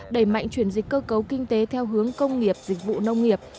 đẩy mạnh chuyển dịch cơ cấu kinh tế theo hướng công nghiệp dịch vụ nông nghiệp